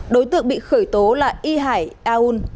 đối tượng bị khởi tố là y hải a un